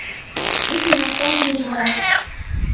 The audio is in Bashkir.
Өс минуттан кире инәм.